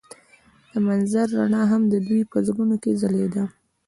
د منظر رڼا هم د دوی په زړونو کې ځلېده.